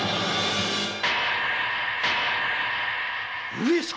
上様！